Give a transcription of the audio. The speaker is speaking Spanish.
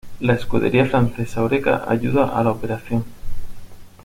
La escudería francesa Oreca ayuda a la operación.